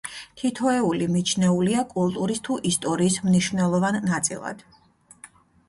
თითოეული მიჩნეულია კულტურის თუ ისტორიის მნიშვნელოვან ნაწილად.